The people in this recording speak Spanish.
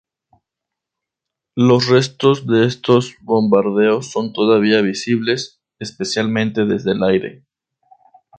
Los restos de estos bombardeos son todavía visibles, especialmente desde el aire.